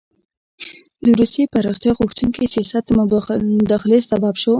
د روسیې پراختیا غوښتونکي سیاست د مداخلې سبب شو.